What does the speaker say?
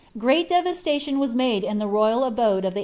Great devastation was made in the royal abode of ibt